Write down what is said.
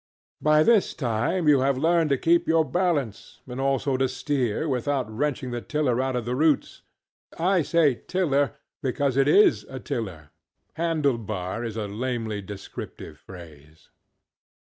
By this time you have learned to keep your balance; and also to steer without wrenching the tiller out by the roots (I say tiller because it IS a tiller; ŌĆ£handle barŌĆØ is a lamely descriptive phrase).